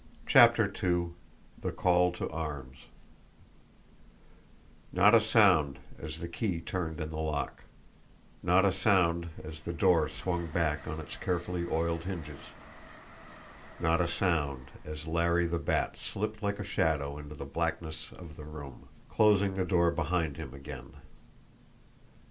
CHAPTER II THE CALL TO ARMS Not a sound as the key turned in the lock; not a sound as the door swung back on its carefully oiled hinges; not a sound as Larry the Bat slipped like a shadow into the blackness of the room, closing the door behind him again.